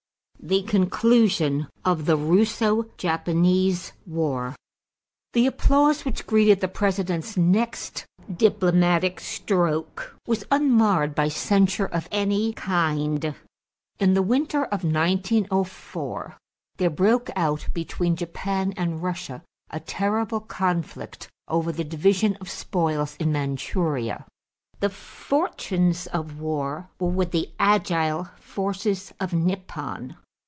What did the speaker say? =The Conclusion of the Russo Japanese War.= The applause which greeted the President's next diplomatic stroke was unmarred by censure of any kind. In the winter of 1904 there broke out between Japan and Russia a terrible conflict over the division of spoils in Manchuria. The fortunes of war were with the agile forces of Nippon.